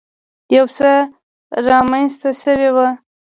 يو څه رامخته شوی و.